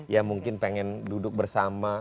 ya mungkin pengen duduk bersama